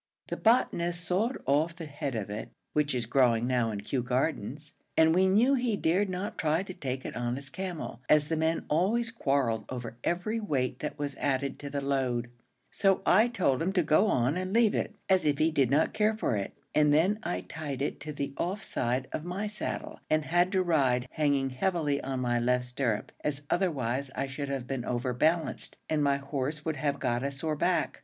The botanist sawed off the head of it (which is growing now in Kew Gardens), and we knew he dared not try to take it on his camel, as the men always quarrelled over every weight that was added to the load; so I told him to go on and leave it, as if he did not care for it, and then I tied it to the off side of my saddle, and had to ride hanging heavily on my left stirrup, as otherwise I should have been over balanced, and my horse would have got a sore back.